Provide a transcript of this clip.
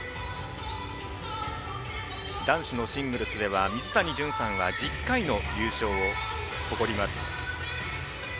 男子のシングルスでは水谷隼さんが１０回の優勝を誇ります。